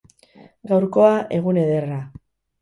Gaurkoa, egun ederra.